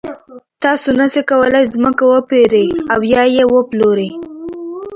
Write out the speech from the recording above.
تاسو نشئ کولای ځمکه وپېرئ او یا یې وپلورئ.